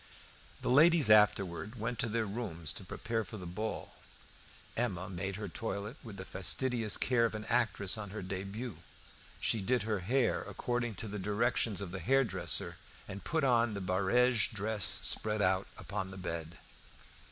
The ladies afterwards went to their rooms to prepare for the ball. Emma made her toilet with the fastidious care of an actress on her debut. She did her hair according to the directions of the hairdresser, and put on the barege dress spread out upon the bed.